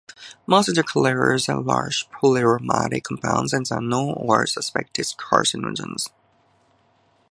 Most intercalators are large polyaromatic compounds and are known or suspected carcinogens.